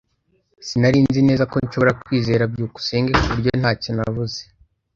Sinari nzi neza ko nshobora kwizera byukusenge, ku buryo ntacyo navuze.